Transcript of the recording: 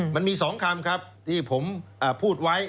มันมี๒คำครับที่ผมพูดไว้